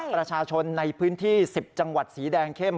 ประชาชนในพื้นที่๑๐จังหวัดสีแดงเข้ม